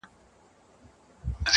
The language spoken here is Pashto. ستا د شعر دنيا يې خوښـه سـوېده.